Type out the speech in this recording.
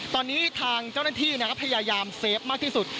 ตอนนี้ทางเจ้าหน้าที่พยายามเซฟมากที่สุด